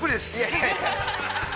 ◆いやいや。